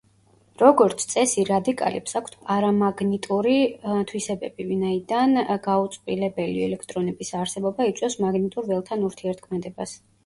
როგორც წესი, რადიკალებს აქვთ პარამაგნიტური თვისებები, ვინაიდან გაუწყვილებელი ელექტრონების არსებობა იწვევს მაგნიტურ ველთან ურთიერთქმედებას.